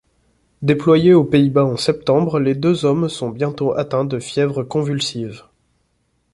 Déployés aux Pays-Bas en septembre, les deux hommes sont bientôt atteints de fièvre convulsive.